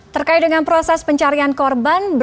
terkait dengan proses pencarian korban